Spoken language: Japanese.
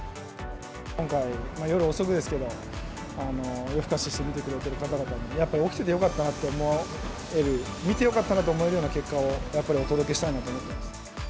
今回、夜遅くですけど、夜更かしして見てくださってる方々に、やっぱり起きててよかったなって思える、見てよかったなと思えるような結果を、やっぱりお届けしたいなと思っています。